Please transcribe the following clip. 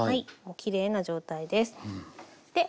きれいな状態です。